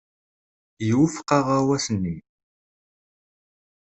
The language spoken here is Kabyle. Iwufeq aɣawas-nni?